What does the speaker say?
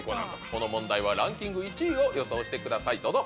この問題はランキング１位を予想してくださいどうぞ。